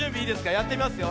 やってみますよ。